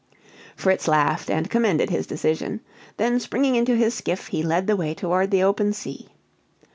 Fritz laughed, and commended his decision. Then springing into his skiff, he led the way toward the open sea.